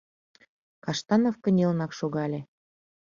— Коштанов кынелынак шогале.